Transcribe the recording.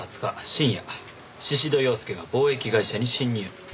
深夜宍戸洋介が貿易会社に侵入。